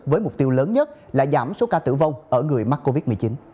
với mục tiêu lớn nhất là giảm số ca tử vong ở người mắc covid một mươi chín